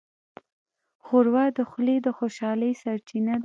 ښوروا د خولې د خوشحالۍ سرچینه ده.